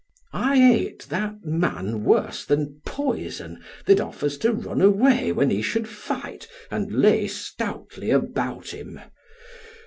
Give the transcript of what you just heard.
I hate that man worse than poison that offers to run away when he should fight and lay stoutly about him.